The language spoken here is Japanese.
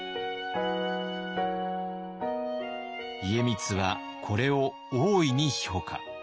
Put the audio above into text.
家光はこれを大いに評価。